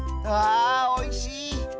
あおいしい。